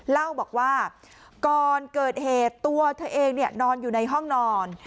เล่าบอกว่าก่อนเกิดเหตุตัวเธอเองนอนอยู่ในห้องนอน